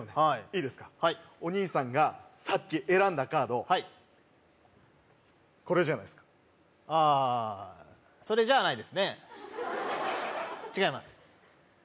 いいですかはいお兄さんがさっき選んだカードはいこれじゃないですかああそれじゃないですね違います